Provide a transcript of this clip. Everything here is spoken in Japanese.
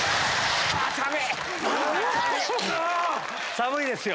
寒いですよ。